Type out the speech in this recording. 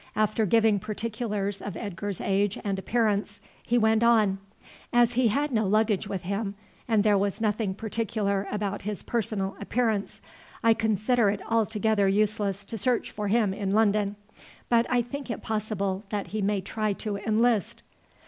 After giving particulars of Edgar's age and appearance he went on: "As he had no luggage with him, and there was nothing particular about his personal appearance, I consider it altogether useless to search for him in London; but I think it possible that he may try to enlist."